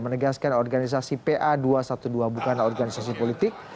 menegaskan organisasi pa dua ratus dua belas bukanlah organisasi politik